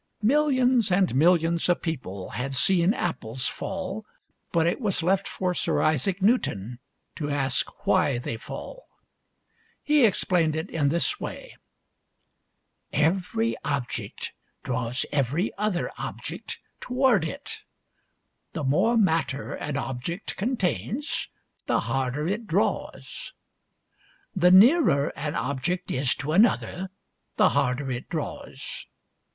Millions and millions of people had seen apples fall, but it was left for Sir Isaac Newton to ask why they fall. He explained it in this way: —" Every object draws every other object towai;d it. " The more matter an object contains the harder it draws. " The nearer an object is to another the harder it draws.